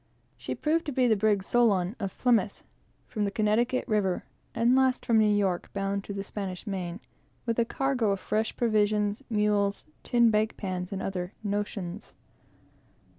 She proved to be the brig Solon, of Plymouth, from the Connecticut river, and last from New York, bound to the Spanish Main, with a cargo of fresh provisions, mules, tin bake pans, and other notions.